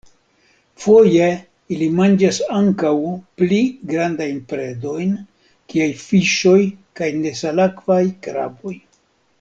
Foje ili manĝas ankaŭ pli grandajn predojn kiaj fiŝoj kaj nesalakvaj kraboj.